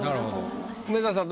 梅沢さん